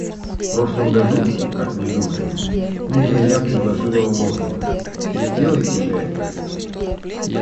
В прошлом году, как мне думается, именно я предложила лозунг: "Сделайте же это".